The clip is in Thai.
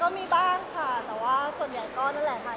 ก็มีบ้างแต่ส่วนใหญ่ก็ถ่ายละครแบบนั้น